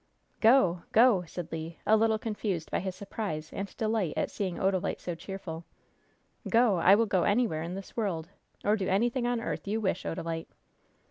"Go go!" said Le, a little confused by his surprise and delight at seeing Odalite so cheerful. "Go I will go anywhere in this world, or do anything on earth you wish, Odalite!"